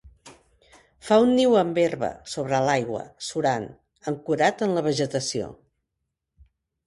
Fa un niu amb herba, sobre l'aigua, surant, ancorat en la vegetació.